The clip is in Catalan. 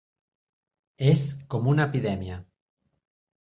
És com una epidèmia.